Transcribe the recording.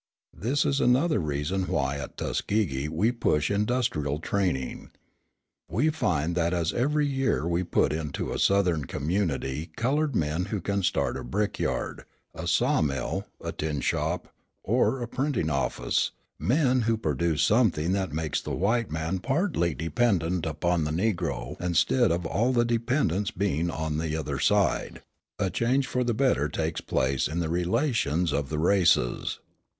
This is another reason why at Tuskegee we push industrial training. We find that as every year we put into a Southern community coloured men who can start a brickyard, a saw mill, a tin shop, or a printing office, men who produce something that makes the white man partly dependent upon the Negro instead of all the dependence being on the other side, a change for the better takes place in the relations of the races.